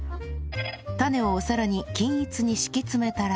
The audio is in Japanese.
タネをお皿に均一に敷き詰めたら